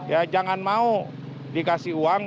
ya jangan mau dikasih uang